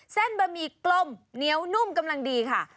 เส้นบะหมี่กลมเหนียวนุ่มกำลังดีค่ะ